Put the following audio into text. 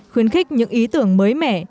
khuyến khích những ý tưởng mới mẻ